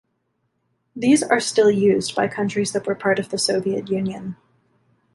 These are still used by countries that were part of the Soviet Union.